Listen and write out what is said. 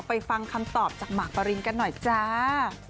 ฟังคำตอบจากหมากปรินกันหน่อยจ้า